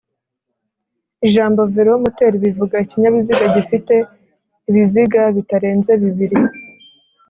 Ijambo "velomoteri" bivuga ikinyabiziga gifite ibiziga bitarenze bibiri